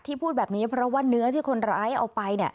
พูดแบบนี้เพราะว่าเนื้อที่คนร้ายเอาไป